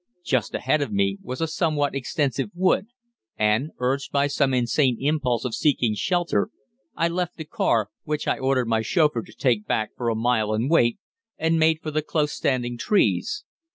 Just ahead of me was a somewhat extensive wood; and, urged by some insane impulse of seeking shelter, I left the car, which I ordered my chauffeur to take back for a mile and wait, and made for the close standing trees.